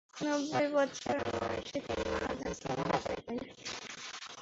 নব্বই বছর বয়সে তিনি মারা যান।